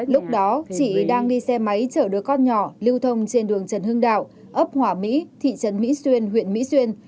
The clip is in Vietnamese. lúc đó chị đang đi xe máy chở đứa con nhỏ lưu thông trên đường trần hưng đạo ấp hỏa mỹ thị trấn mỹ xuyên huyện mỹ xuyên